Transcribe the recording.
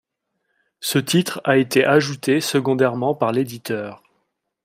Ce titre a été ajouté secondairement par l'éditeur.